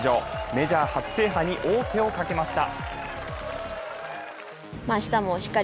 メジャー初制覇に王手をかけました。